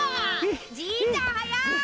じいちゃん速い！